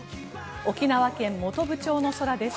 沖縄県本部町の空です。